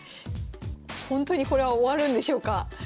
ほんとにこれは終わるんでしょうか？